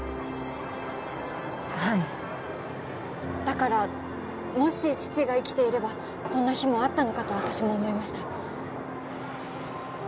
はいだからもし父が生きていればこんな日もあったのかと私も思いました